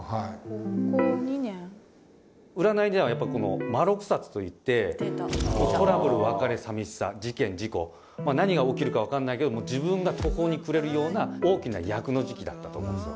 占いではやっぱこの魔六殺といってトラブル別れさみしさ事件事故何が起きるか分かんないけど自分が途方に暮れるような大きな厄の時期だったと思うんですよ。